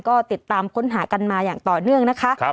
ก็ติดตามค้นหากันมาอย่างต่อเนื่องนะคะ